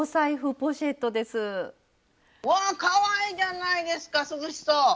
わぁかわいいじゃないですか涼しそう！